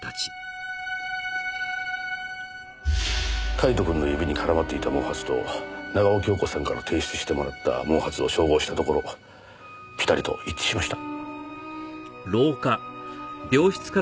カイトくんの指に絡まっていた毛髪と長尾恭子さんから提出してもらった毛髪を照合したところぴたりと一致しました。